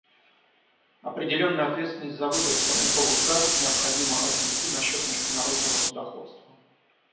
Определенную ответственность за выброс парниковых газов необходимо отнести на счет международного судоходства.